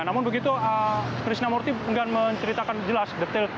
namun begitu krisna murthy tidak menceritakan jelas detail